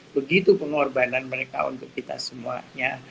begitu pengorbanan mereka untuk kita semuanya